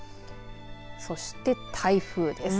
そして、台風です。